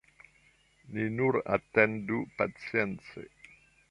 Ni nur atendu pacience!